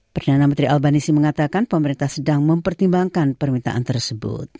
perdana menteri albanisi mengatakan pemerintah sedang mempertimbangkan permintaan tersebut